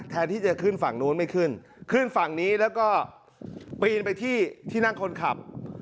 แทนที่จะขึ้นฝั่งนู้นไม่ขึ้นขึ้นฝั่งนี้แล้วก็ปีนไปที่ที่นั่งคนขับ